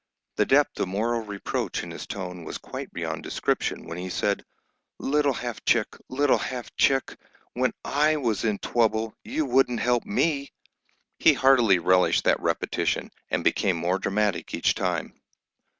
The depth of moral reproach in his tone was quite beyond description when he said, "Little Half Chick, little Half Chick, when I was in trubbul you wouldn't help me!" He heartily relished that repetition, and became more dramatic each time.